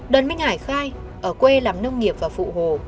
đoàn minh hải khai ở quê làm nông nghiệp và phụ hồ